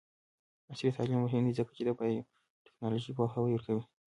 عصري تعلیم مهم دی ځکه چې د بایوټیکنالوژي پوهاوی ورکوي.